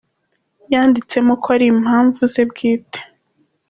yanditsemo ko ari impanzu ze bwite".